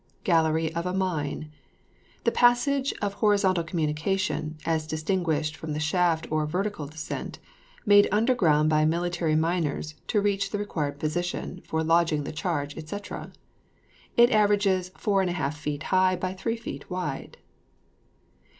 GALLERY OF A MINE. The passage of horizontal communication, as distinguished from the shaft or vertical descent, made underground by military miners to reach the required position, for lodging the charge, &c.; it averages 4 1/2 feet high by 3 feet wide.